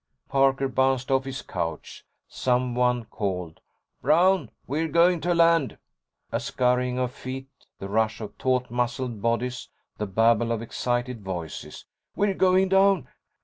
Parker bounced off his couch. Someone called, "Brown, we're going to land!" A scurrying of feet, the rush of taut muscled bodies, the babble of excited voices. "We're going down!"